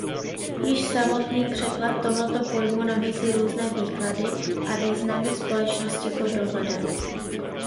Již samotný překlad tohoto pojmu nabízí různé výklady a významy společnosti pod dohledem.